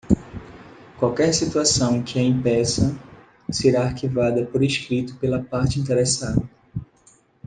Qualquer situação que a impeça será arquivada por escrito pela parte interessada.